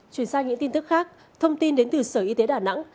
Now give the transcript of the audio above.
chuyển sang những tin tức khác thông tin đến từ sở y tế đà nẵng